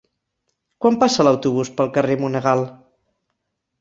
Quan passa l'autobús pel carrer Monegal?